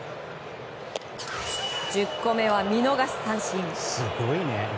１０個目は見逃し三振。